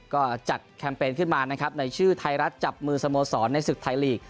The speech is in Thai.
ก็จัดแคมเปญขึ้นมานะครับในชื่อไทยรัฐจับมือสโมสรในศึกไทยลีก